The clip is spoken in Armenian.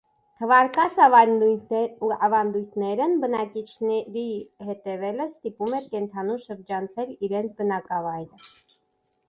Թվարկած ավանդույթներին բնակիչների հետևելը ստիպում էր կենդանուն շրջանցել իրենց բնակավայրը։